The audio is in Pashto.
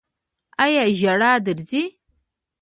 ایا ژړا درځي؟